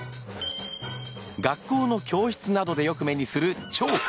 学校の教室などでよく目にするチョーク。